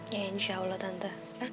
ya insya allah tante